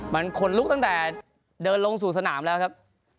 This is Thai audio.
มันขนลุกตั้งแต่เดินลงสู่สนามแล้วครับ